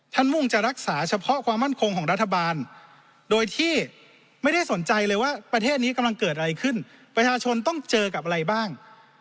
มุ่งจะรักษาเฉพาะความมั่นคงของรัฐบาลโดยที่ไม่ได้สนใจเลยว่าประเทศนี้กำลังเกิดอะไรขึ้นประชาชนต้องเจอกับอะไรบ้าง